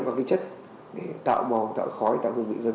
các chất tạo bò tạo khói tạo hùng vị vân